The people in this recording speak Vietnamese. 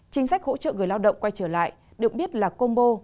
chính sách hỗ trợ người lao động quay trở lại được biết là combo